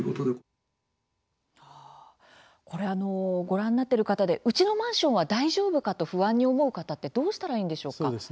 ご覧になっている方でうちのマンションは大丈夫かと不安に思う方ってどうしたらいいんでしょうか？